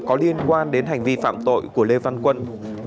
có liên quan đến hành vi phạm tội của lê văn quân